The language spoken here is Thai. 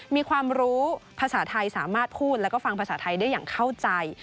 มีความรู้ภาษาไทยสามารถพูดแล้วก็ฟังภาษาไทยได้อย่างเข้าใจ